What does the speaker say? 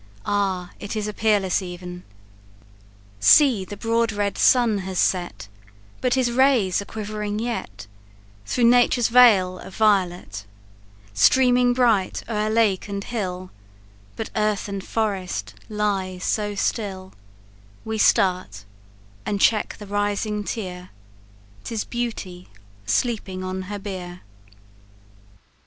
Ah, it is a peerless even! See, the broad red sun has set, But his rays are quivering yet Through nature's veil of violet, Streaming bright o'er lake and hill; But earth and forest lie so still We start, and check the rising tear, 'Tis beauty sleeping on her bier.